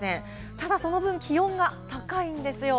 ただその分、気温が高いんですよ。